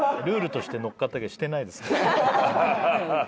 ルールとして乗っかったけどしてないですから。